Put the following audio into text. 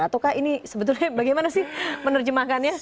ataukah ini sebetulnya bagaimana sih menerjemahkannya